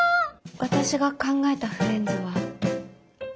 私が考えたフレンズは。